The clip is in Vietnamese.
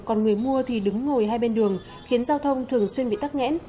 còn người mua thì đứng ngồi hai bên đường khiến giao thông thường xuyên bị tắc nghẽn